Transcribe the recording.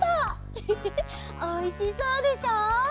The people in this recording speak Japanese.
ウフフフおいしそうでしょ？